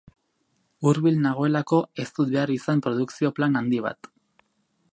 Hurbil nagoelako, ez dut behar izan produkzio plan handi bat.